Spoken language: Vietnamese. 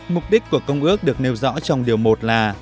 mục đích của công ước được nêu rõ trong điều một là